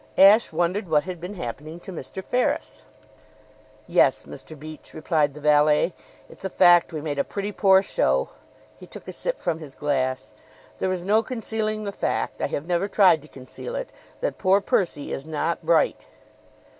Ashe wondered what had been happening to Mr. Ferris. "Yes, Mr. Beach," replied the valet, "it's a fact we made a pretty poor show." He took a sip from his glass. "There is no concealing the fact I have never tried to conceal it that poor Percy is not bright."